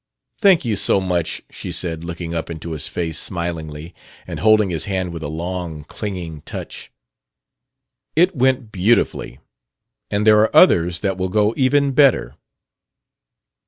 "Thank you so much," she said, looking up into his face smilingly and holding his hand with a long, clinging touch. "It went beautifully; and there are others that will go even better."